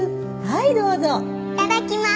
いただきます。